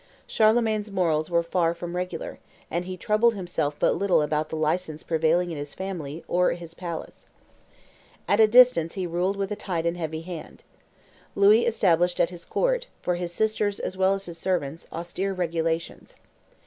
Charlemagne's morals were far from regular, and he troubled himself but little about the license prevailing in his family or his palace. At a distance he ruled with a tight and a heavy hand. Louis established at his court, for his sisters as well as his servants, austere regulations.